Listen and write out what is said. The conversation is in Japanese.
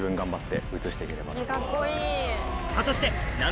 果たしてお！